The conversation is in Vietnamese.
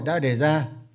đã đề ra